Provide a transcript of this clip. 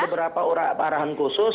tidak tidak ada berapa arahan khusus